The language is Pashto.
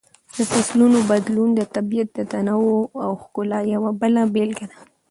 د فصلونو بدلون د طبیعت د تنوع او ښکلا یوه بله بېلګه ده.